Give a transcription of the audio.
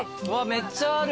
めっちゃある。